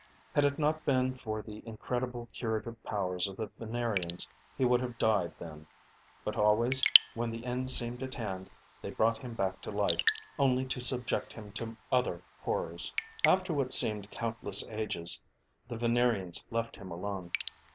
Had it not been for the incredible curative powers of the Venerians, he would have died then; but always, when the end seemed at hand, they brought him back to life, only to subject him to other horrors. After what seemed countless ages, the Venerians left him alone.